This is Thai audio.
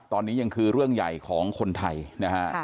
ตอนนี้ยังคือเรื่องใหญ่ของคนไทยนะฮะ